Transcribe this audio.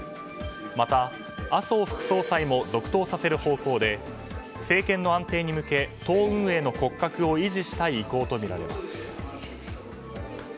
また、麻生副総裁も続投させる方向で政権の安定に向け党運営の骨格を維持したい意向とみられます。